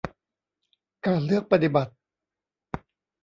การเลือกปฏิบัติ